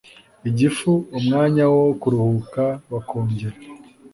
igifu umwanya wo kuruhuka bakongera